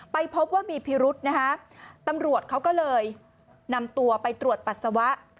พบว่ามีพิรุธนะคะตำรวจเขาก็เลยนำตัวไปตรวจปัสสาวะ